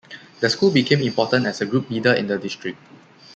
The school became important as a group-leader in the district.